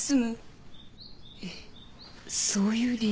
えっそういう理由？